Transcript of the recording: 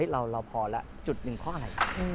เราพอแล้วจุดหนึ่งข้ออะไร